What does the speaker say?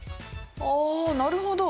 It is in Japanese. ああなるほど。